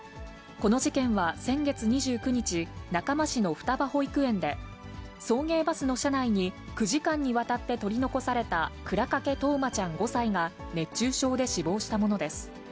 この事件は先月２９日、中間市の双葉保育園で、送迎バスの車内に９時間にわたって取り残された倉掛冬生ちゃん５歳が熱中症で死亡したものです。